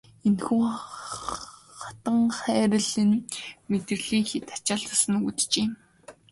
Энэхүү хатанхайрал нь мэдрэлийн хэт ачааллаас үүджээ.